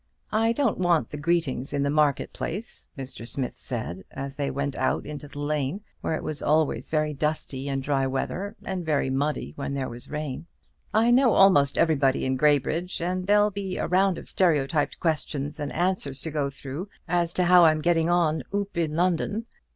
"I don't want the greetings in the market place," Mr. Smith said, as they went out into the lane, where it was always very dusty in dry weather, and very muddy when there was rain. "I know almost everybody in Graybridge; and there'll be a round of stereotyped questions and answers to go through as to how I'm getting on 'oop in London.'